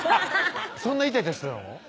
そんなイチャイチャしてたの？